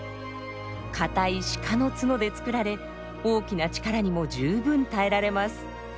堅い鹿の角で作られ大きな力にも十分耐えられます。